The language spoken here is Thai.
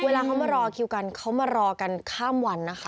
เวลาเขามารอคิวกันเขามารอกันข้ามวันนะคะ